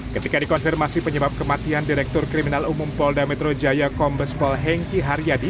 ketika dikonfirmasi penyebab kematian direktur kriminal umum polda metro jaya kombes pol hengki haryadi